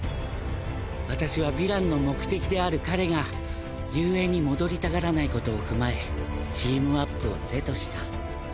私はヴィランの目的である彼が雄英に戻りたがらないことを踏まえチームアップを是とした。